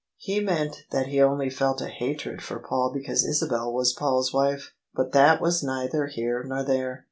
" (He meant that he only felt a hatred for Paul because Isabel was Paul's wife: but that was neither here nor there.)